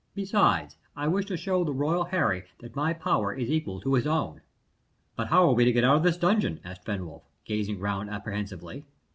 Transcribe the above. Besides, I wish to show the royal Harry that my power is equal to his own." "But how are we to get out of this dungeon?" asked Fenwolf, gazing round apprehensively.